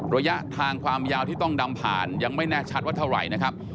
ระยะทางความยาวที่ต้องดำผ่านยังไม่แน่ชัดว่าเท่าไหร่นะครับ